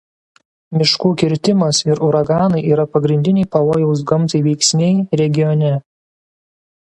Miškų kirtimas ir uraganai yra pagrindiniai pavojaus gamtai veiksniai regione.